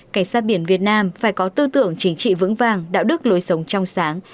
cảnh sát biển việt nam phải có tư tưởng chính trị vững vàng đạo đức lối sống trong sáng